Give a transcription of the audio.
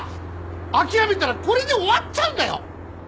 諦めたらこれで終わっちゃうんだよ！